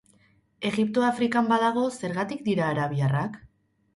Egipto Afrikan badago, zergatik dira arabiarrak?